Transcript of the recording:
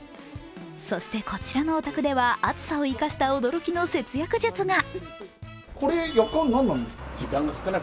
そして、こちらのお宅では暑さを生かした驚きの節約術が。